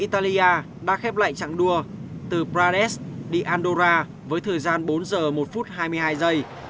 từ prades đi andorra với thời gian bốn h một phút hai mươi hai giây